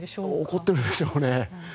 怒ってるでしょうね。